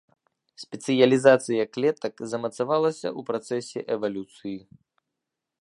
Спецыялізацыя клетак замацавалася ў працэсе эвалюцыі.